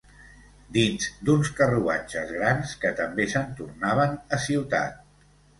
Dins d'uns carruatges grans, que també se'n tornaven a ciutat.